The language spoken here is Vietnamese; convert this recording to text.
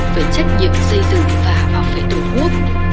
về trách nhiệm xây dựng và bảo vệ tổ quốc